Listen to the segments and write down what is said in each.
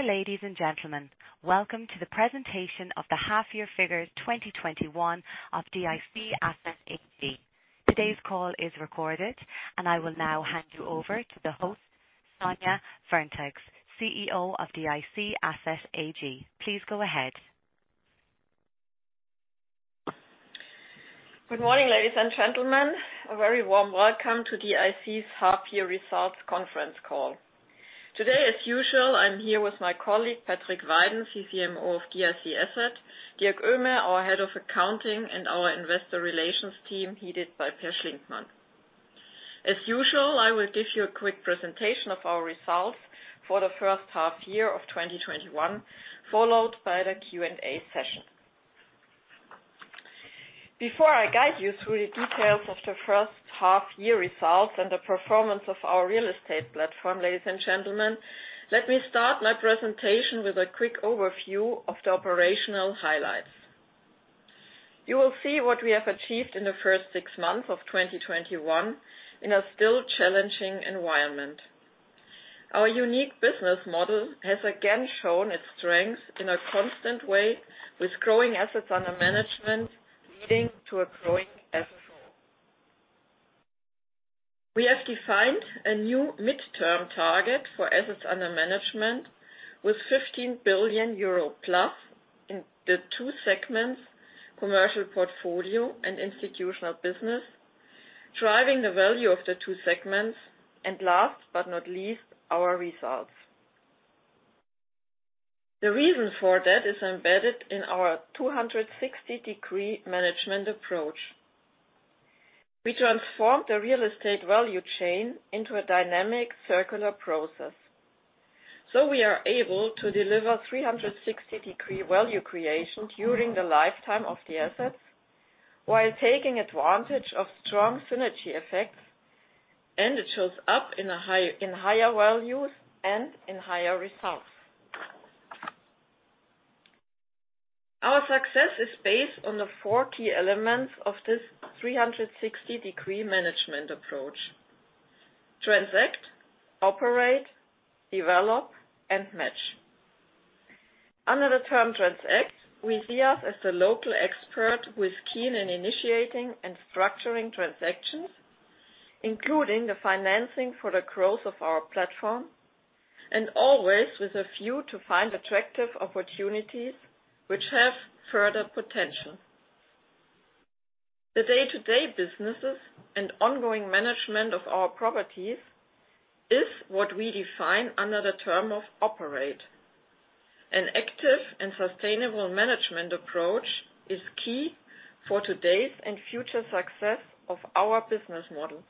Dear ladies and gentlemen. Welcome to the presentation of the half year figure 2021 of DIC Asset AG. Today's call is recorded, and I will now hand you over to the host, Sonja Wärntges, CEO of DIC Asset AG. Please go ahead. Good morning, ladies and gentlemen. A very warm welcome to DIC's half year results conference call. Today, as usual, I'm here with my colleague, Patrick Weiden, CCMO of DIC Asset, Dirk Oehme, our Head of Accounting, and our Investor Relations team headed by Peer Schlinkmann. As usual, I will give you a quick presentation of our results for the first half year of 2021, followed by the Q and A session. Before I guide you through the details of the first half year results and the performance of our real estate platform, ladies and gentlemen, let me start my presentation with a quick overview of the operational highlights. You will see what we have achieved in the first six months of 2021 in a still challenging environment. Our unique business model has again shown its strength in a constant way, with growing Assets under Management, leading to a growing asset pool. We have defined a new midterm target for Assets under Management with 15 billion euro plus in the two segments, Commercial Portfolio and Institutional Business, driving the value of the two segments, and last but not least, our results. The reason for that is embedded in our 360-degree management approach. We transformed the real estate value chain into a dynamic circular process. We are able to deliver 360-degree value creation during the lifetime of the assets, while taking advantage of strong synergy effects, and it shows up in higher values and in higher results. Our success is based on the four key elements of this 360-degree management approach: Transact, Operate, Develop, and Match. Under the term Transact, we see us as the local expert who is keen in initiating and structuring transactions, including the financing for the growth of our platform, and always with a view to find attractive opportunities which have further potential. The day-to-day businesses and ongoing management of our properties is what we define under the term of Operate. An active and sustainable management approach is key for today's and future success of our business model.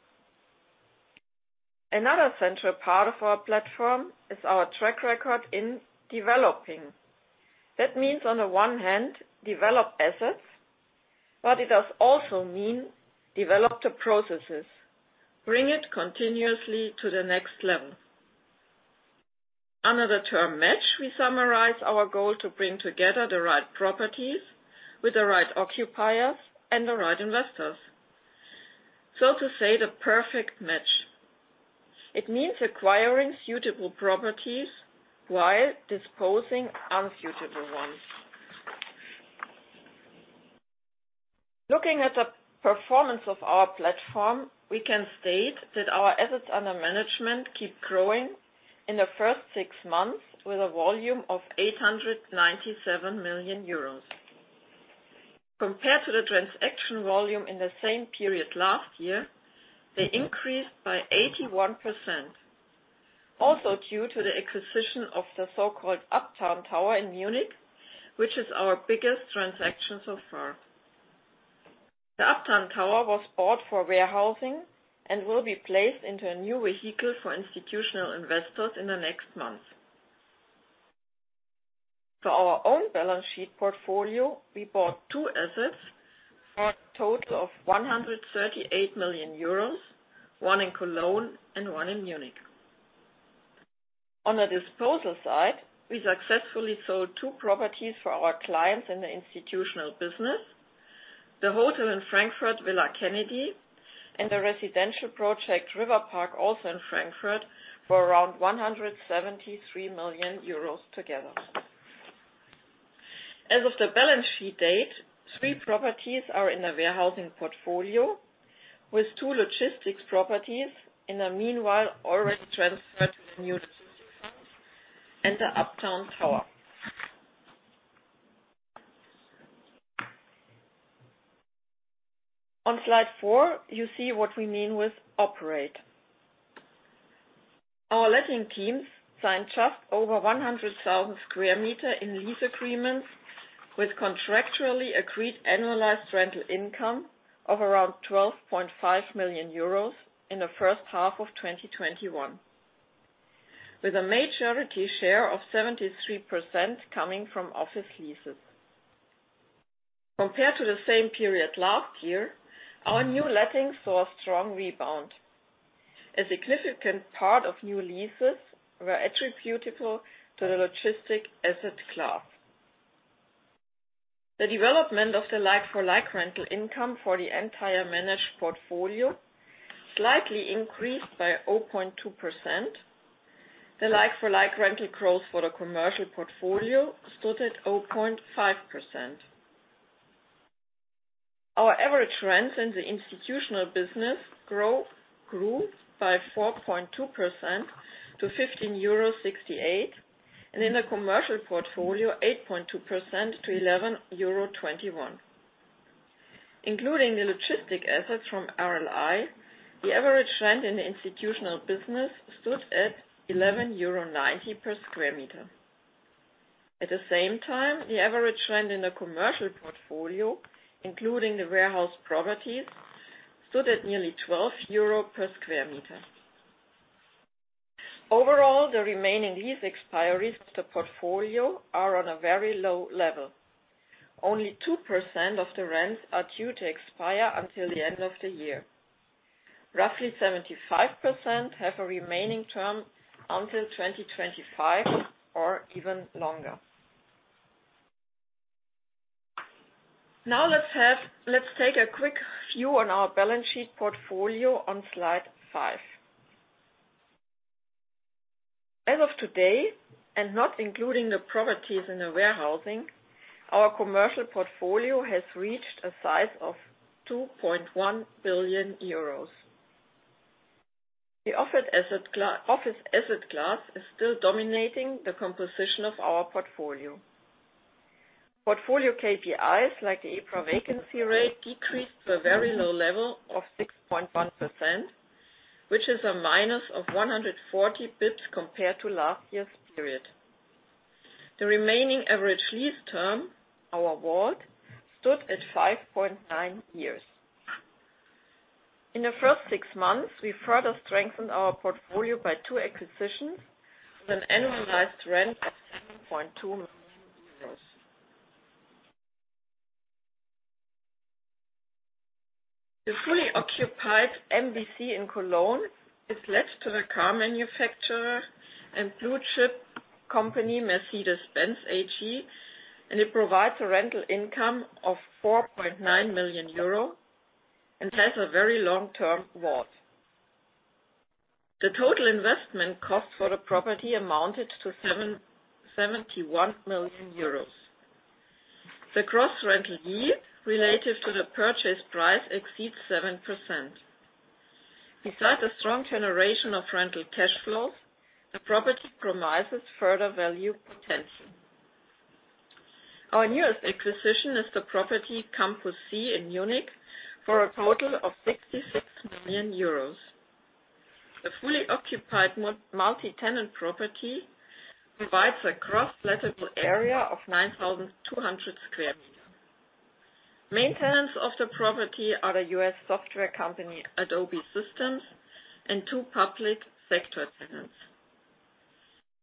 Another central part of our platform is our track record in developing. That means, on the one hand, develop assets, but it does also mean develop the processes, bring it continuously to the next level. Under the term match, we summarize our goal to bring together the right properties with the right occupiers and the right investors. To say, the perfect match. It means acquiring suitable properties while disposing unsuitable ones. Looking at the performance of our platform, we can state that our Assets under Management keep growing in the first six months with a volume of 897 million euros. Compared to the transaction volume in the same period last year, they increased by 81%. Also due to the acquisition of the so-called Uptown Tower in Munich, which is our biggest transaction so far. The Uptown Tower was bought for warehousing and will be placed into a new vehicle for institutional investors in the next month. For our own balance sheet portfolio, we bought two assets for a total of 138 million euros, one in Cologne and one in Munich. On the disposal side, we successfully sold two properties for our clients in the Institutional Business. The hotel in Frankfurt, Villa Kennedy, and the residential project, Riverpark Tower, also in Frankfurt, for around 173 million euros together. As of the balance sheet date, three properties are in the warehousing portfolio, with two logistics properties in the meanwhile already transferred to the new logistics funds and the Uptown Tower. On slide four, you see what we mean with Operate. Our letting teams signed just over 100,000 sq m in lease agreements with contractually agreed annualized rental income of around 12.5 million euros in the first half of 2021. With a majority share of 73% coming from office leases. Compared to the same period last year, our new lettings saw a strong rebound. A significant part of new leases were attributable to the logistics asset class. The development of the like-for-like rental income for the entire managed portfolio slightly increased by 0.2%. The like-for-like rental growth for the Commercial Portfolio stood at 0.5%. Our average rents in the Institutional Business grew by 4.2% to 15.68 euros, and in the Commercial Portfolio, 8.2% to 11.21 euros. Including the logistic assets from RLI, the average rent in the Institutional Business stood at 11.90 euro/sq m. At the same time, the average rent in the Commercial Portfolio, including the warehouse properties, stood at nearly 12 euro/sq m. The remaining lease expiries of the portfolio are on a very low level. Only 2% of the rents are due to expire until the end of the year. Roughly 75% have a remaining term until 2025 or even longer. Let's take a quick view on our balance sheet portfolio on slide five. As of today, and not including the properties in the warehousing, our Commercial Portfolio has reached a size of 2.1 billion euros. The office asset class is still dominating the composition of our portfolio. Portfolio KPIs like the EPRA Vacancy Rate decreased to a very low level of 6.1%, which is a minus of 140 basis points compared to last year's period. The remaining average lease term, our WALT, stood at 5.9 years. In the first six months, we further strengthened our portfolio by two acquisitions with an annualized rent of 7.2 million euros. The fully occupied MBC in Cologne is leased to the car manufacturer and blue-chip company Mercedes-Benz AG, and it provides a rental income of 4.9 million euro and has a very long-term WALT. The total investment cost for the property amounted to 71 million euros. The gross rental yield relative to the purchase price exceeds 7%. Besides a strong generation of rental cash flows, the property promises further value potential. Our newest acquisition is the property Campus C in Munich for a total of 66 million euros. The fully occupied multi-tenant property provides a gross lettable area of 9,200 sq m. Main tenants of the property are the U.S. software company Adobe Systems and two public sector tenants.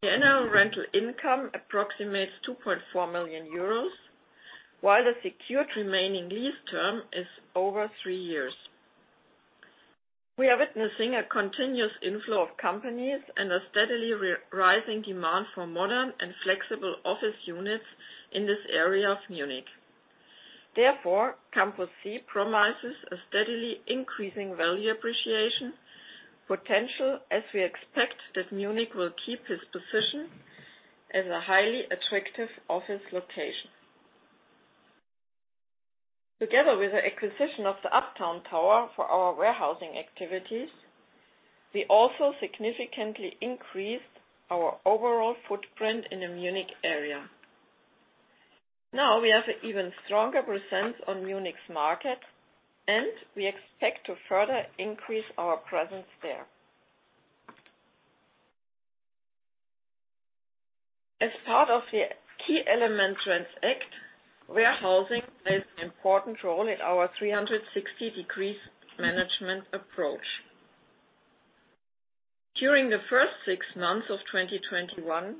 The annual rental income approximates 2.4 million euros, while the secured remaining lease term is over three years. We are witnessing a continuous inflow of companies and a steadily rising demand for modern and flexible office units in this area of Munich. Therefore, Campus C promises a steadily increasing value appreciation potential as we expect that Munich will keep its position as a highly attractive office location. Together with the acquisition of the Uptown Tower for our warehousing activities, we also significantly increased our overall footprint in the Munich area. Now we have an even stronger presence on Munich's market, and we expect to further increase our presence there. As part of the key element Transact, warehousing plays an important role in our 360-degree management approach. During the first six months of 2021,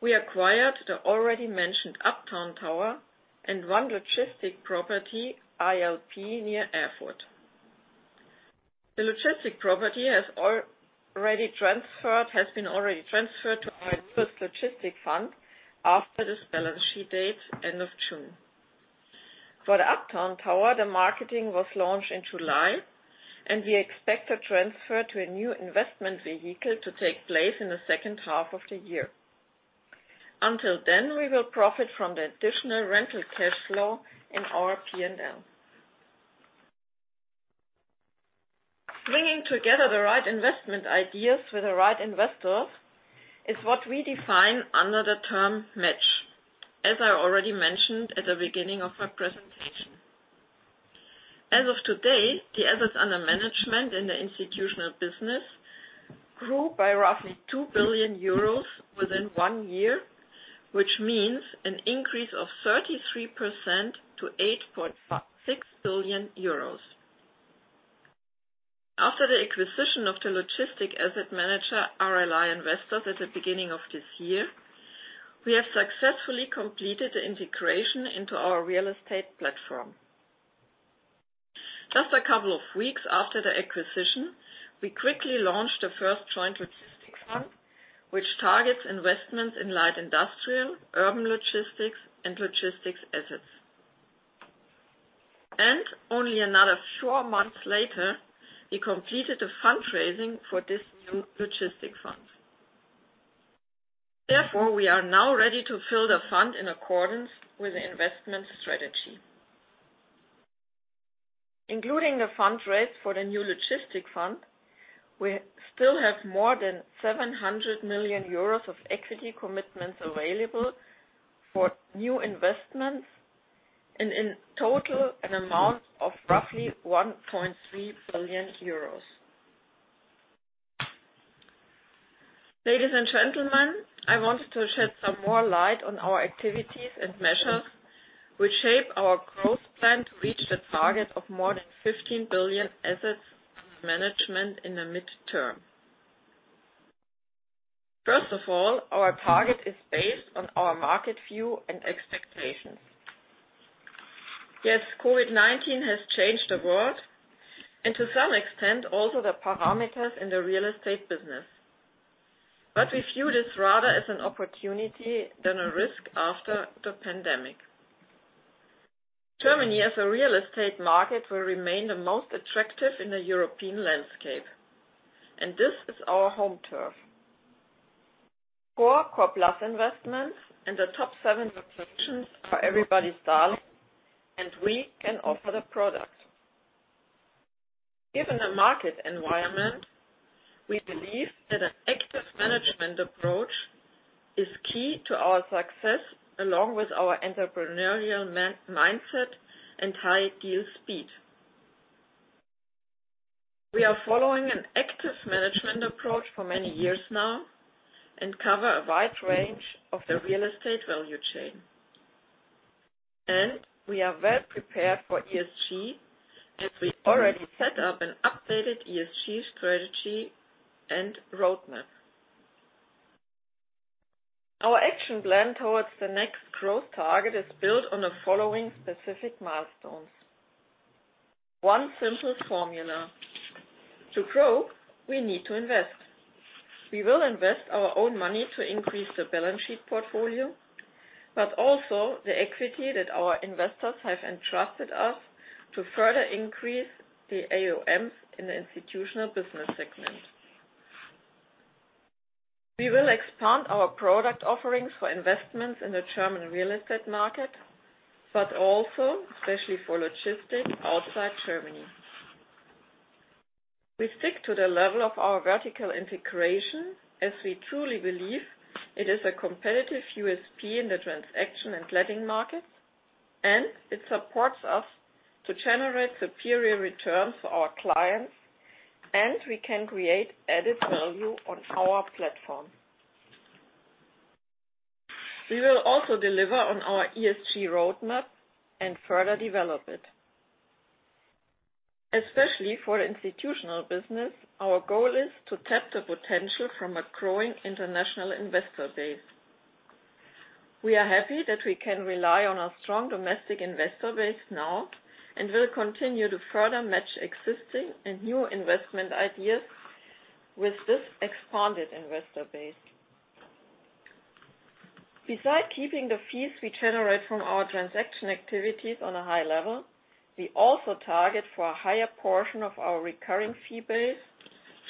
we acquired the already mentioned Uptown Tower and one logistic property, ILP, near Erfurt. The logistic property has been already transferred to our first logistic fund after this balance sheet date end of June. For the Uptown Tower, the marketing was launched in July, and we expect the transfer to a new investment vehicle to take place in the second half of the year. Until then, we will profit from the additional rental cash flow in our P&L. Bringing together the right investment ideas with the right investors is what we define under the term match, as I already mentioned at the beginning of my presentation. As of today, the Assets under Management in the Institutional Business grew by roughly 2 billion euros within one year, which means an increase of 33% to 8.6 billion euros. After the acquisition of the logistics asset manager RLI Investors at the beginning of this year, we have successfully completed the integration into our real estate platform. Just a couple of weeks after the acquisition, we quickly launched the first joint logistics fund, which targets investments in light industrial, urban logistics, and logistics assets. Only another four months later, we completed the fundraising for this new logistics fund. Therefore, we are now ready to fill the fund in accordance with the investment strategy. Including the fund raised for the new logistics fund, we still have more than 700 million euros of equity commitments available for new investments, and in total, an amount of roughly 1.3 billion euros. Ladies and gentlemen, I wanted to shed some more light on our activities and measures, which shape our growth plan to reach the target of more than 15 billion Assets under Management in the midterm. First of all, our target is based on our market view and expectations. Yes, COVID-19 has changed the world, to some extent, also the parameters in the real estate business. We view this rather as an opportunity than a risk after the pandemic. Germany as a real estate market will remain the most attractive in the European landscape. This is our home turf. Core, Core-Plus investments and the top seven locations are everybody's darling, and we can offer the product. Given the market environment, we believe that an active management approach is key to our success, along with our entrepreneurial mindset and high deal speed. We are following an active management approach for many years now, cover a wide range of the real estate value chain. We are well prepared for ESG, as we already set up an updated ESG strategy and roadmap. Our action plan towards the next growth target is built on the following specific milestones. One simple formula. To grow, we need to invest. We will invest our own money to increase the balance sheet portfolio, but also the equity that our investors have entrusted us to further increase the AUM in the Institutional Business segment. We will expand our product offerings for investments in the German real estate market, but also especially for logistics outside Germany. We stick to the level of our vertical integration as we truly believe it is a competitive USP in the transaction and letting markets, and it supports us to generate superior returns for our clients, and we can create added value on our platform. We will also deliver on our ESG roadmap and further develop it. Especially for the Institutional Business, our goal is to tap the potential from a growing international investor base. We are happy that we can rely on our strong domestic investor base now and will continue to further match existing and new investment ideas with this expanded investor base. Besides keeping the fees we generate from our transaction activities on a high level, we also target for a higher portion of our recurring fee base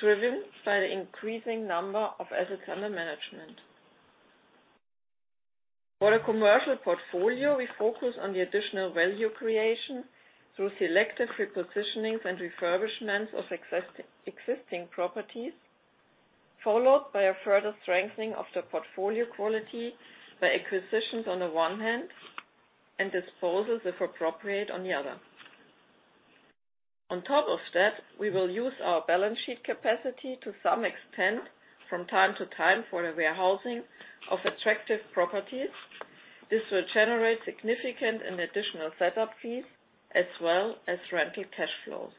driven by the increasing number of Assets under Management. For the Commercial Portfolio, we focus on the additional value creation through selective repositionings and refurbishments of existing properties, followed by a further strengthening of the portfolio quality by acquisitions on the one hand and disposals, if appropriate, on the other. On top of that, we will use our balance sheet capacity to some extent from time to time for the warehousing of attractive properties. This will generate significant and additional setup fees as well as rental cash flows.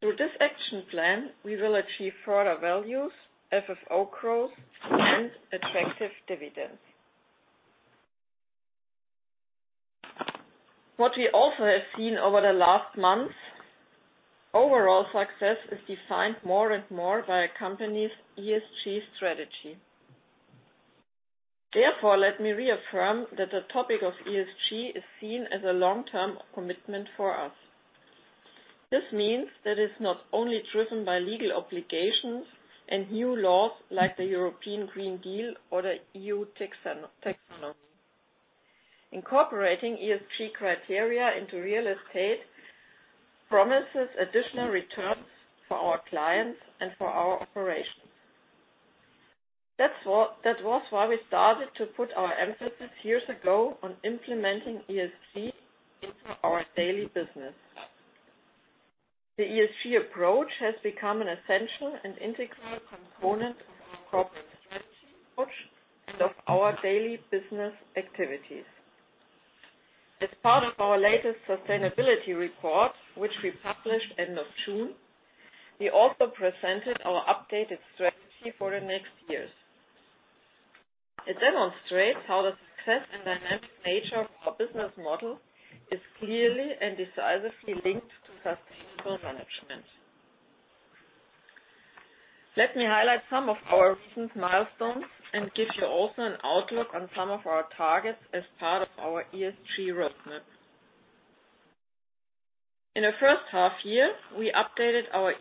Through this action plan, we will achieve further values, FFO growth, and attractive dividends. What we also have seen over the last months, overall success is defined more and more by a company's ESG strategy. Therefore, let me reaffirm that the topic of ESG is seen as a long-term commitment for us. This means that it's not only driven by legal obligations and new laws like the European Green Deal or the EU Taxonomy. Incorporating ESG criteria into real estate promises additional returns for our clients and for our operations. That was why we started to put our emphasis years ago on implementing ESG into our daily business. The ESG approach has become an essential and integral component of our corporate strategy approach and of our daily business activities. As part of our latest sustainability report, which we published end of June, we also presented our updated strategy for the next years. It demonstrates how the success and dynamic nature of our business model is clearly and decisively linked to sustainable management. Let me highlight some of our recent milestones and give you also an outlook on some of our targets as part of our ESG roadmap. In the first half year, we updated our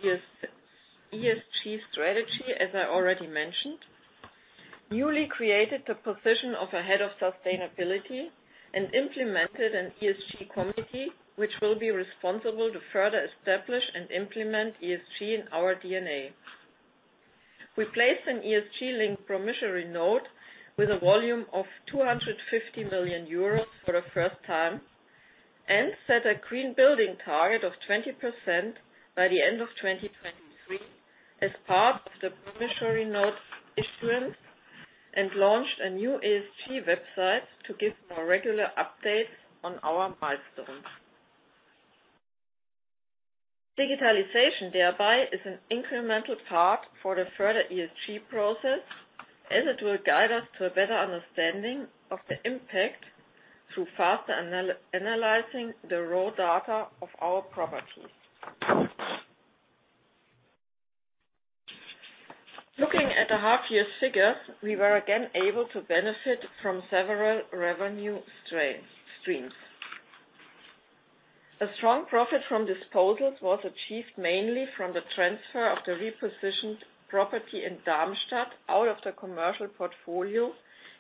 ESG strategy, as I already mentioned, newly created the position of a head of sustainability, and implemented an ESG committee, which will be responsible to further establish and implement ESG in our DNA. We placed an ESG linked promissory note with a volume of 250 million euros for the first time, and set a green building target of 20% by the end of 2023 as part of the promissory note's issuance, and launched a new ESG website to give more regular updates on our milestones. Digitalization, thereby, is an incremental part for the further ESG process as it will guide us to a better understanding of the impact through faster analyzing the raw data of our properties. Looking at the half year figures, we were again able to benefit from several revenue streams. A strong profit from disposals was achieved mainly from the transfer of the repositioned property in Darmstadt out of the Commercial Portfolio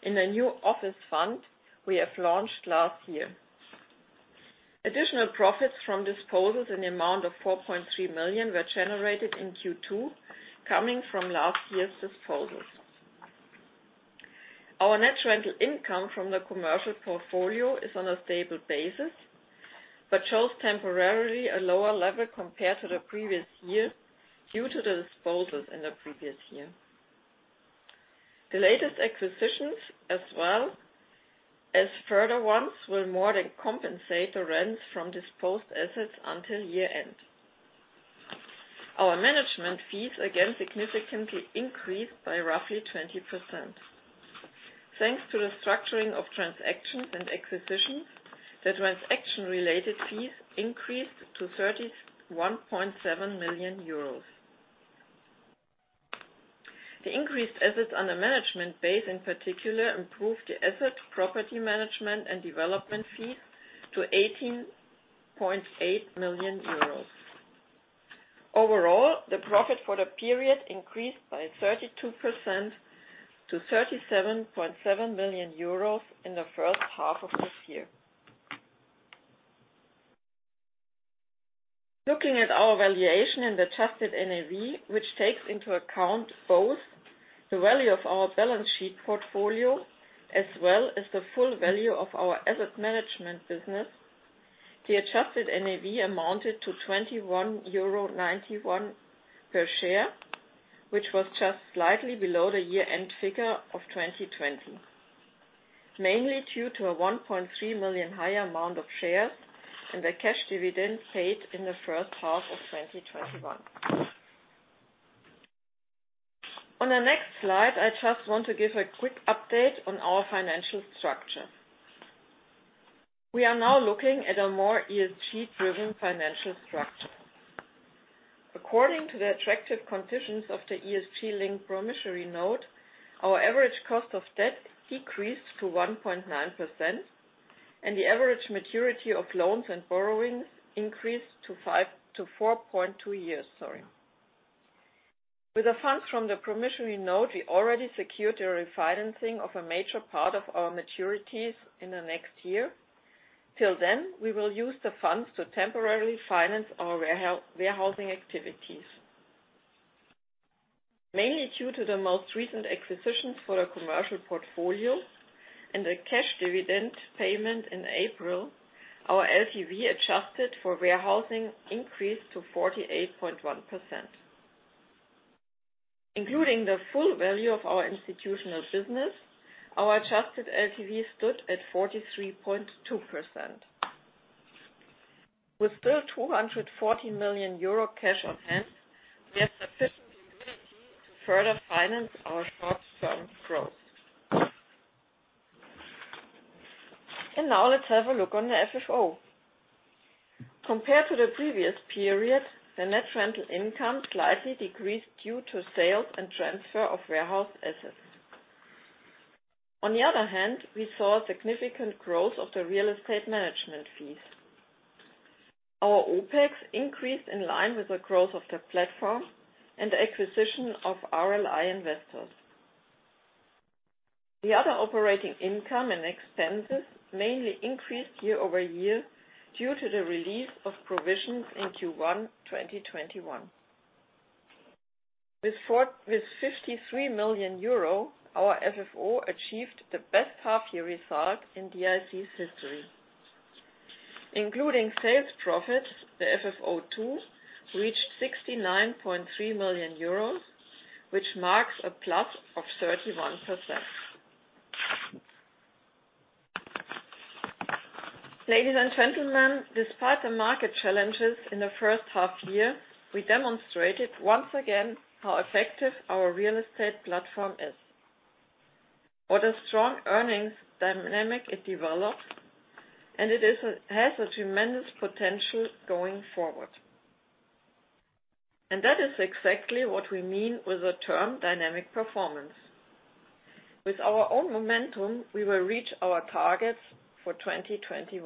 in the new office fund we have launched last year. Additional profits from disposals in the amount of 4.3 million were generated in Q2, coming from last year's disposals. Our net rental income from the Commercial Portfolio is on a stable basis, but shows temporarily a lower level compared to the previous year due to the disposals in the previous year. The latest acquisitions, as well as further ones, will more than compensate the rents from disposed assets until year-end. Our management fees again significantly increased by roughly 20%. Thanks to the structuring of transactions and acquisitions, the transaction-related fees increased to EUR 31.7 million. The increased Assets under Management base, in particular, improved the asset property management and development fees to 18.8 million euros. Overall, the profit for the period increased by 32% to 37.7 million euros in the first half of this year. Looking at our valuation and Adjusted NAV, which takes into account both the value of our balance sheet portfolio, as well as the full value of our asset management business, the Adjusted NAV amounted to 21.91 euro per share, which was just slightly below the year-end figure of 2020, mainly due to a 1.3 million higher amount of shares and the cash dividend paid in the first half of 2021. On the next slide, I just want to give a quick update on our financial structure. We are now looking at a more ESG-driven financial structure. According to the attractive conditions of the ESG link promissory note, our average cost of debt decreased to 1.9%, and the average maturity of loans and borrowings increased to 4.2 years. With the funds from the promissory note, we already secured a refinancing of a major part of our maturities in the next year. Till then, we will use the funds to temporarily finance our warehousing activities. Mainly due to the most recent acquisitions for the Commercial Portfolio and the cash dividend payment in April, our LTV adjusted for warehousing increased to 48.1%. Including the full value of our Institutional Business, our Adjusted LTV stood at 43.2%. With still 240 million euro cash on hand, we have sufficient liquidity to further finance our short term growth. Now let's have a look on the FFO. Compared to the previous period, the net rental income slightly decreased due to sales and transfer of warehouse assets. On the other hand, we saw significant growth of the real estate management fees. Our OPEX increased in line with the growth of the platform and the acquisition of RLI Investors. The other operating income and expenses mainly increased year-over-year due to the release of provisions in Q1 2021. With 53 million euro, our FFO achieved the best half-year result in DIC's history. Including sales profits, the FFO II reached 69.3 million euros, which marks a plus of 31%. Ladies and gentlemen, despite the market challenges in the first half-year, we demonstrated once again how effective our real estate platform is. What a strong earnings dynamic it developed, and it has a tremendous potential going forward. That is exactly what we mean with the term dynamic performance. With our own momentum, we will reach our targets for 2021.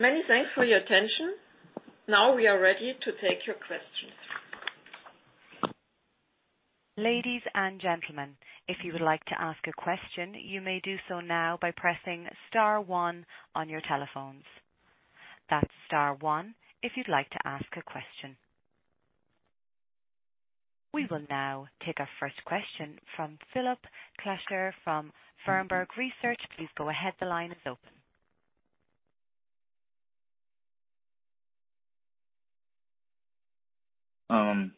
Many thanks for your attention. Now we are ready to take your questions. Ladies and gentlemen, if you would like to ask a question, you may do so now by pressing star one on your telephones. That's star one if you'd like to ask a question. We will now take our first question from Philipp Kaiser from Warburg Research. Please go ahead. The line is open. I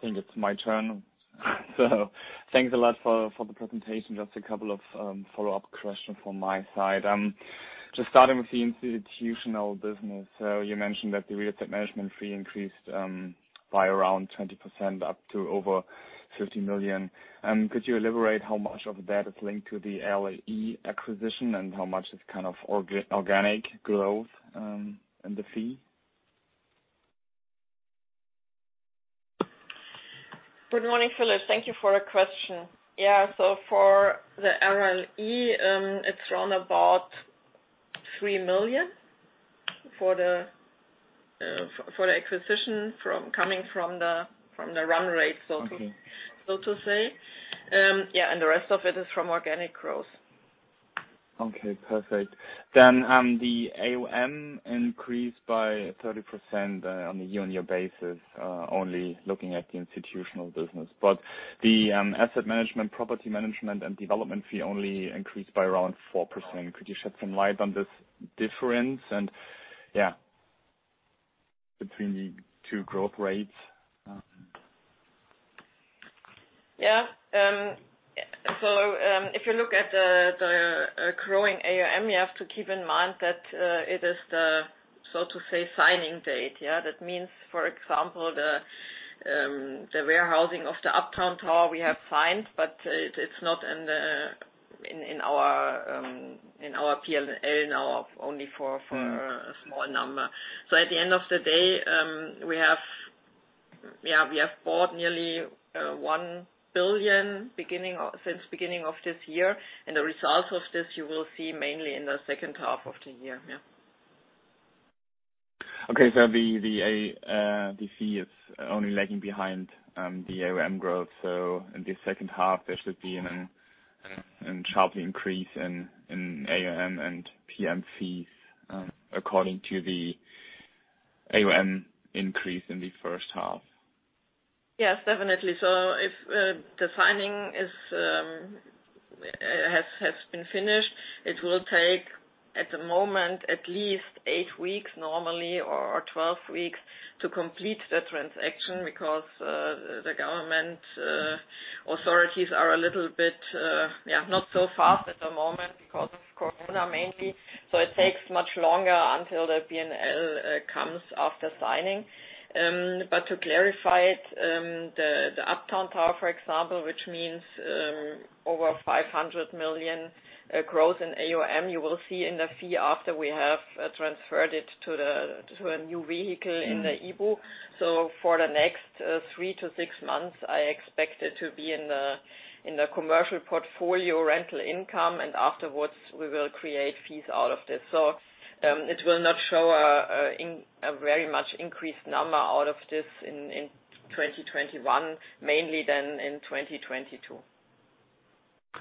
think it's my turn. Thanks a lot for the presentation. Just a couple of follow-up questions from my side. Just starting with the Institutional Business. You mentioned that the real estate management fee increased by around 20% up to over 50 million. Could you elaborate how much of that is linked to the RLI acquisition and how much is kind of organic growth in the fee? Good morning, Philipp. Thank you for the question. Yeah, for the RLI, it's around 3 million for the acquisition coming from the run rate- Okay. So to say. Yeah, the rest of it is from organic growth. Okay, perfect. The AuM increased by 30% on a year-on-year basis, only looking at the Institutional Business. The asset management, property management, and development fee only increased by around 4%. Could you shed some light on this difference and, yeah, between the two growth rates? Yeah. If you look at the growing AuM, you have to keep in mind that it is the, so to say, signing date. Yeah. That means, for example, the warehousing of the Uptown Tower we have signed, but it's not in our P&L now, only for a small number. At the end of the day, we have bought nearly 1 billion since beginning of this year, and the results of this you will see mainly in the second half of the year. Yeah. Okay. The fee is only lagging behind the AuM growth. In the second half, there should be a sharp increase in AuM and PM fees according to the AuM increase in the first half. Yes, definitely. If the signing has been finished, it will take, at the moment, at least eight weeks normally, or 12 weeks to complete the transaction because the government authorities are a little bit, not so fast at the moment because of COVID mainly. It takes much longer until the P&L comes after signing. To clarify it, the Uptown Tower, for example, which means over 500 million growth in AuM, you will see in the fee after we have transferred it to a new vehicle in the IBU. For the next three to six months, I expect it to be in the Commercial Portfolio rental income, and afterwards we will create fees out of this. It will not show a very much increased number out of this in 2021, mainly then in 2022.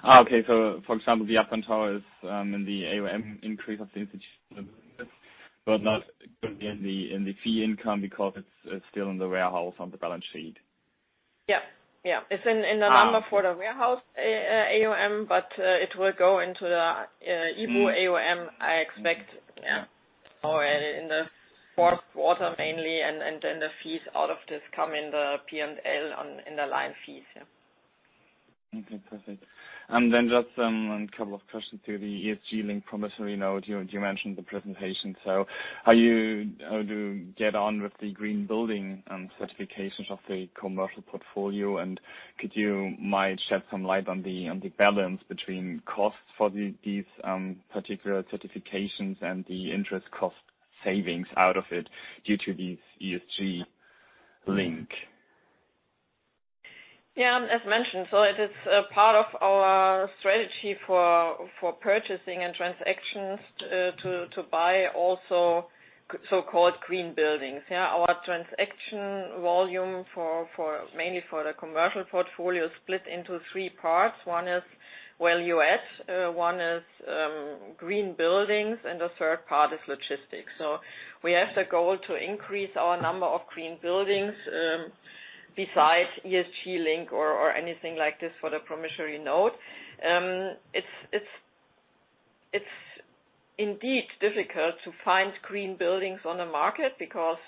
Okay. For example, the Uptown Tower is in the AuM increase of the Institutional Business, but not in the fee income because it's still in the warehouse on the balance sheet. Yeah. It's in the number for the warehouse AuM, but it will go into the IBU AuM, I expect. Yeah. In the fourth quarter mainly, the fees out of this come in the P&L in the line fees. Okay, perfect. Just a couple of questions to the ESG-linked promissory note. You mentioned the presentation. How do you get on with the green building certifications of the Commercial Portfolio, and could you might shed some light on the balance between costs for these particular certifications and the interest cost savings out of it due to this ESG link? As mentioned, it is a part of our strategy for purchasing and transactions to buy also so-called green buildings. Our transaction volume mainly for the Commercial Portfolio is split into three parts. One is U.S., one is green buildings, and the third part is logistics. We have the goal to increase our number of green buildings, besides ESG link or anything like this for the promissory note. It's indeed difficult to find green buildings on the market because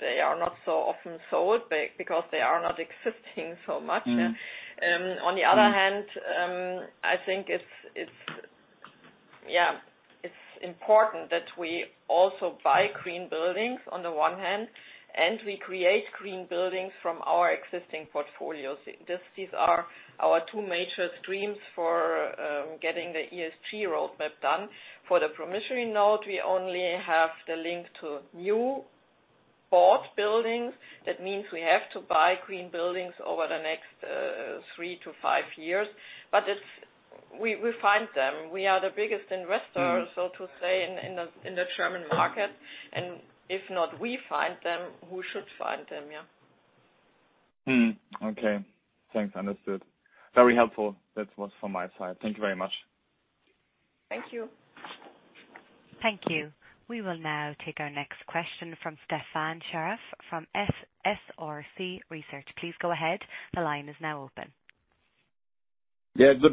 they are not so often sold, because they are not existing so much. I think it's important that we also buy green buildings on the one hand, and we create green buildings from our existing portfolios. These are our two major streams for getting the ESG roadmap done. For the promissory note, we only have the link to new bought buildings. We have to buy green buildings over the next three to five years, but we find them. We are the biggest investor, so to say, in the German market. If not, we find them, who should find them, yeah. Okay. Thanks. Understood. Very helpful. That was from my side. Thank you very much. Thank you. Thank you. We will now take our next question from Stefan Scharff from SRC Research. Please go ahead. Good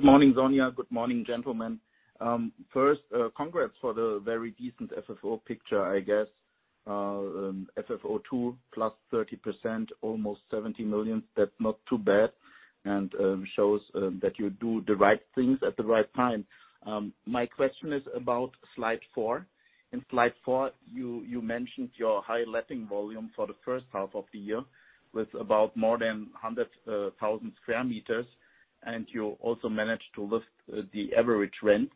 morning, Sonja. Good morning, gentlemen. First, congrats for the very decent FFO picture, I guess. FFO II +30%, almost 70 million. That's not too bad, and shows that you do the right things at the right time. My question is about slide four. In slide four, you mentioned your high letting volume for the first half of the year with about more than 100,000 sq m, and you also managed to lift the average rent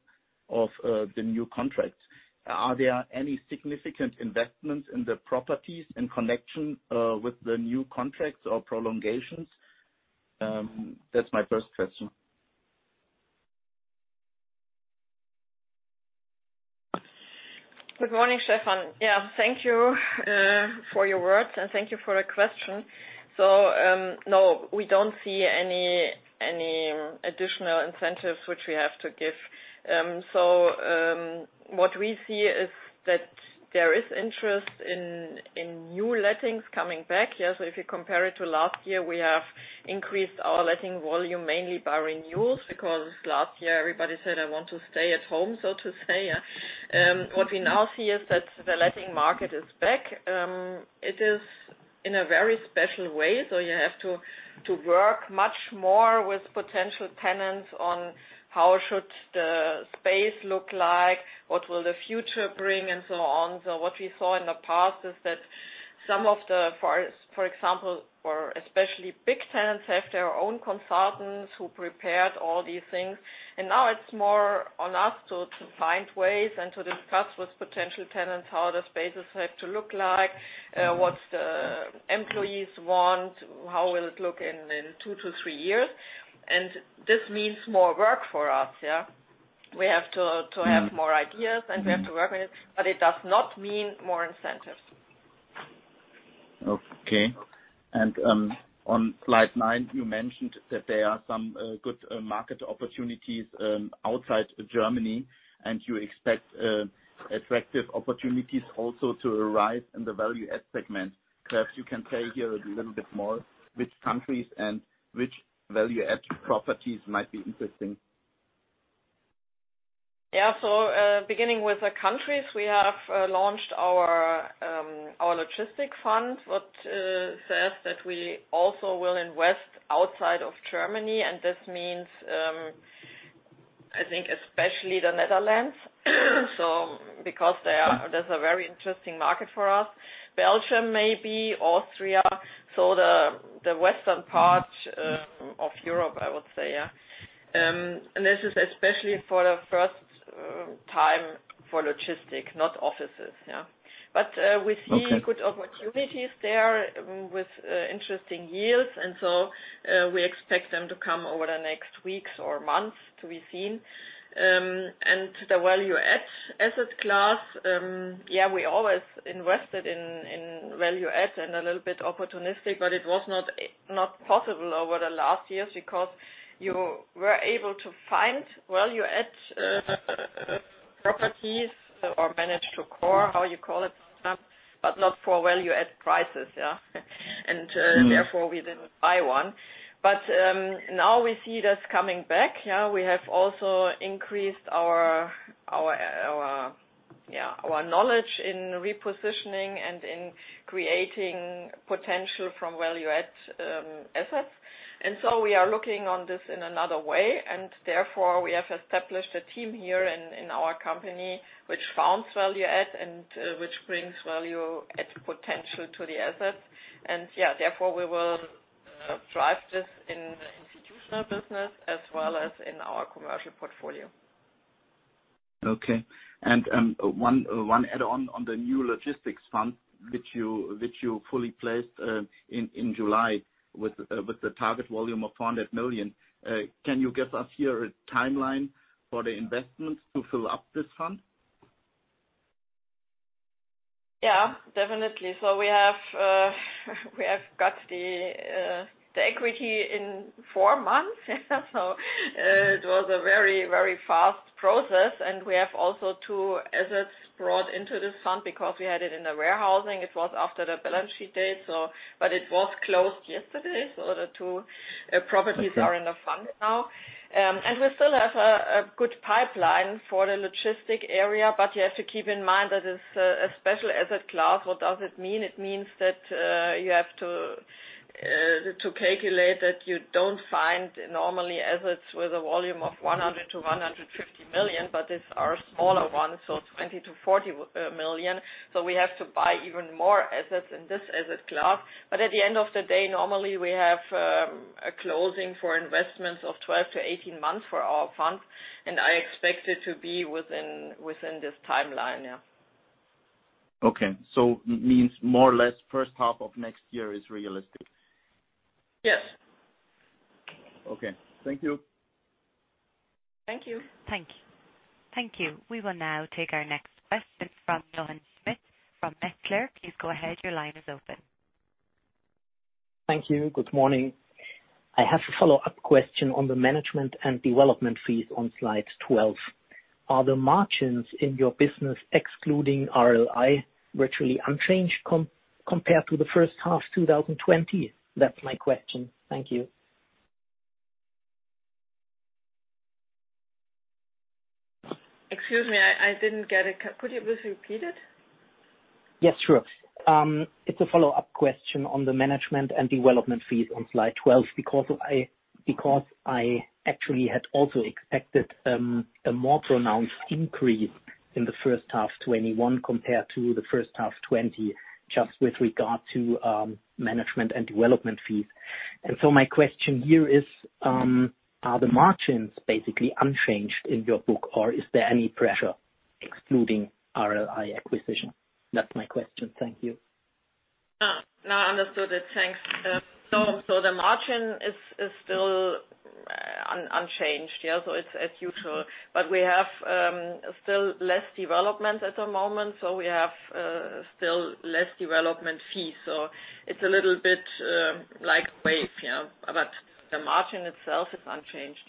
of the new contracts. Are there any significant investments in the properties in connection with the new contracts or prolongations? That's my first question. Good morning, Stefan Scharff. Yeah. Thank you for your words, and thank you for the question. No, we don't see any additional incentives which we have to give. What we see is that there is interest in new lettings coming back. If you compare it to last year, we have increased our letting volume mainly by renewals, because last year everybody said, "I want to stay at home," so to say. What we now see is that the letting market is back. It is in a very special way, so you have to work much more with potential tenants on how should the space look like, what will the future bring, and so on. What we saw in the past is that some of the, for example, or especially big tenants have their own consultants who prepared all these things. Now it's more on us to find ways and to discuss with potential tenants how the spaces have to look like, what the employees want, how will it look in two to three years. This means more work for us. Yeah. We have to have more ideas, and we have to work on it, but it does not mean more incentives. Okay. On slide nine, you mentioned that there are some good market opportunities outside Germany, and you expect attractive opportunities also to arrive in the value add segment. Perhaps you can say here a little bit more which countries and which value add properties might be interesting. Beginning with the countries, we have launched our logistics fund, what says that we also will invest outside of Germany, and this means, I think especially the Netherlands, because that's a very interesting market for us. Belgium, maybe Austria, the western part of Europe, I would say. This is especially for the first time for logistics, not offices. Okay. We see good opportunities there with interesting yields. We expect them to come over the next weeks or months to be seen. The value add asset class, yeah, we always invested in value add and a little bit opportunistic, but it was not possible over the last years because you were able to find value add properties or manage to core, how you call it, but not for value add prices. Yeah. Therefore, we didn't buy one. Now we see this coming back. We have also increased our knowledge in repositioning and in creating potential from value add assets. So we are looking on this in another way. Therefore, we have established a team here in our company, which found value add and which brings value add potential to the assets. Yeah, therefore, we will drive this in the Institutional Business as well as in our Commercial Portfolio. Okay. One add-on on the new logistics fund, which you fully placed in July with the target volume of 400 million. Can you give us here a timeline for the investments to fill up this fund? Yeah. Definitely. We have got the equity in four months. It was a very fast process, and we have also two assets brought into this fund because we had it in the warehousing. It was after the balance sheet date. It was closed yesterday, so the two properties are in the fund now. We still have a good pipeline for the logistic area, but you have to keep in mind that it's a special asset class. What does it mean? It means that you have to calculate that you don't find normally assets with a volume of 100 million-150 million, but it's our smaller ones, 20 million-40 million. We have to buy even more assets in this asset class. At the end of the day, normally we have a closing for investments of 12-18 months for our funds, and I expect it to be within this timeline, yeah. Okay, means more or less first half of next year is realistic. Yes. Okay. Thank you. Thank you. Thank you. We will now take our next question from Jochen Schmitt from Metzler. Please go ahead. Thank you. Good morning. I have a follow-up question on the management and development fees on slide 12. Are the margins in your business excluding RLI virtually unchanged compared to the first half 2020? That's my question. Thank you. Excuse me, I didn't get it. Could you please repeat it? Yes, sure. It's a follow-up question on the management and development fees on slide 12 because I actually had also expected a more pronounced increase in the first half 2021 compared to the first half 2020 just with regard to management and development fees. My question here is, are the margins basically unchanged in your book or is there any pressure excluding RLI acquisition? That's my question. Thank you. No, I understood it. Thanks. The margin is still unchanged, yeah. It's as usual, but we have still less development at the moment, so we have still less development fees. It's a little bit like a wave, yeah. The margin itself is unchanged.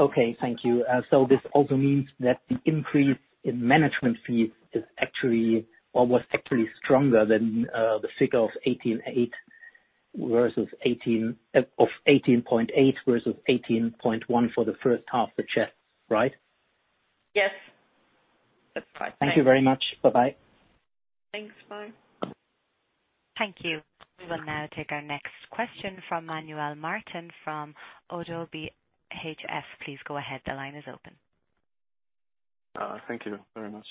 Okay. Thank you. This also means that the increase in management fees was actually stronger than the figure of 18.8 versus of 18.1 for the first half, right? Yes. That's right. Thank you very much. Bye-bye. Thanks. Bye. Thank you. We will now take our next question from Manuel Martin from ODDO BHF. Please go ahead. The line is open. Thank you very much.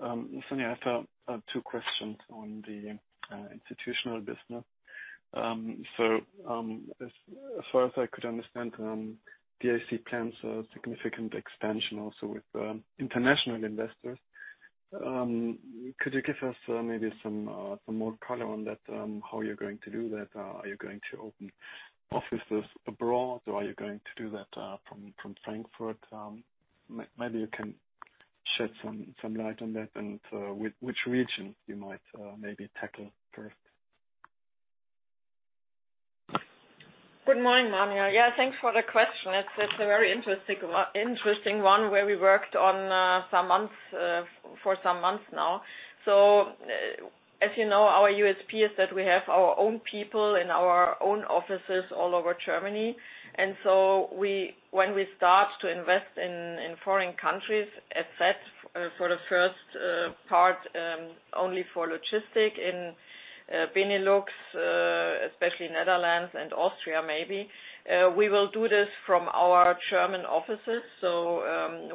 Sonja, I have two questions on the Institutional Business. As far as I could understand, DIC plans a significant expansion also with international investors. Could you give us maybe some more color on that? How you're going to do that? Are you going to open offices abroad or are you going to do that from Frankfurt? Maybe you can shed some light on that and which region you might maybe tackle first. Good morning, Manuel. Yeah, thanks for the question. It's a very interesting one where we worked on for some months now. As you know, our USP is that we have our own people in our own offices all over Germany. When we start to invest in foreign countries, as said, for the first part, only for logistics in Benelux, especially Netherlands and Austria maybe, we will do this from our German offices.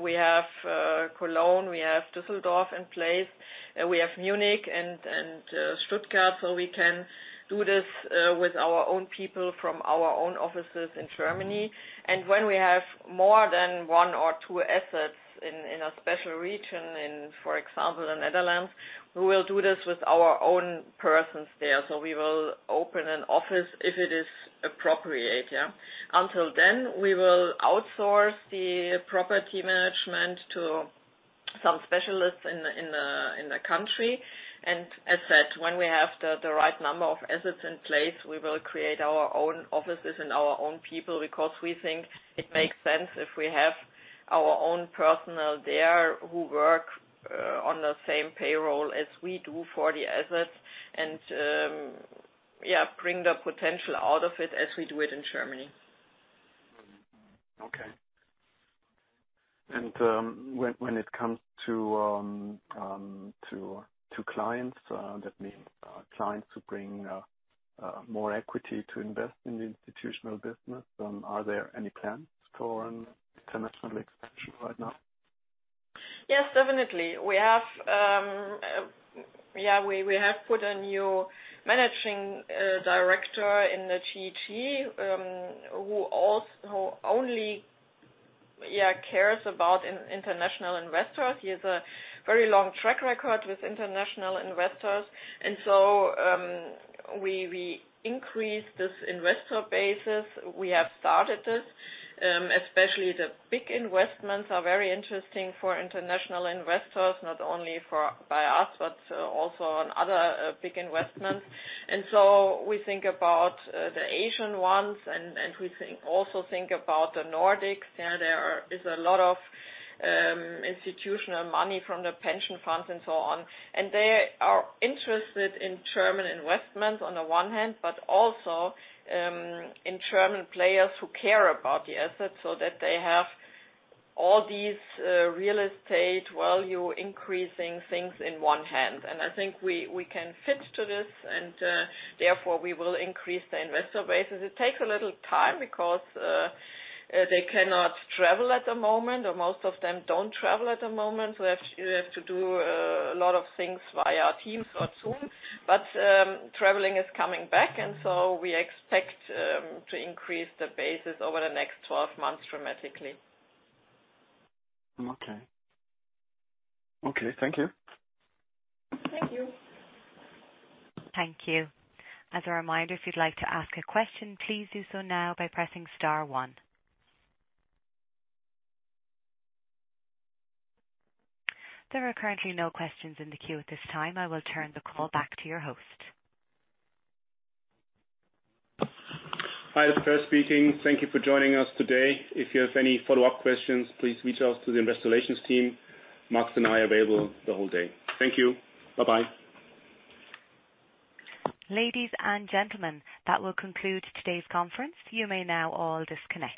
We have Cologne, we have Düsseldorf in place, we have Munich and Stuttgart. We can do this with our own people from our own offices in Germany. When we have more than one or two assets in a special region, for example, in Netherlands, we will do this with our own persons there. We will open an office if it is appropriate. Until then, we will outsource the property management to some specialists in the country. As said, when we have the right number of assets in place, we will create our own offices and our own people because we think it makes sense if we have our own personnel there who work on the same payroll as we do for the assets and, yeah, bring the potential out of it as we do it in Germany. Okay. When it comes to clients, that means clients who bring more equity to invest in the Institutional Business, are there any plans for an international expansion right now? Yes, definitely. We have put a new managing director in the GEG, who only cares about international investors. He has a very long track record with international investors. We increased this investor basis. We have started this, especially the big investments are very interesting for international investors, not only by us, but also on other big investments. We think about the Asian ones, and we also think about the Nordics. There is a lot of institutional money from the pension funds and so on, and they are interested in German investments on the one hand, but also in German players who care about the assets so that they have all these real estate value increasing things in one hand. I think we can fit to this, and, therefore, we will increase the investor basis. It takes a little time because they cannot travel at the moment, or most of them don't travel at the moment. We have to do a lot of things via Teams or Zoom. Traveling is coming back, and so we expect to increase the basis over the next 12 months dramatically. Okay. Thank you. Thank you. Thank you. As a reminder, if you'd like to ask a question, please do so now by pressing star one. There are currently no questions in the queue at this time. I will turn the call back to your host. Hi. It's Peer speaking. Thank you for joining us today. If you have any follow-up questions, please reach out to the Investor Relations team. Max and I are available the whole day. Thank you. Bye-bye. Ladies and gentlemen, that will conclude today's conference. You may now all disconnect.